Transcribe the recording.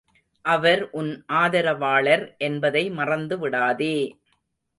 அவர் உன் ஆதரவாளர் என்பதை மறந்துவிடாதே!